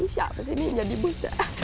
siapa sih ini yang jadi bos